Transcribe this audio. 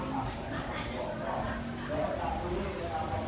สวัสดีครับคุณผู้ชาย